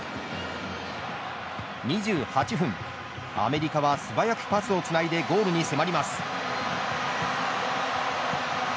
２８分、アメリカは素早くパスをつないでゴールに迫ります。